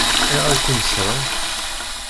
Ayɣer i ken-ṣṣṛen?